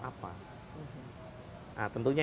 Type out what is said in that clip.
apa nah tentunya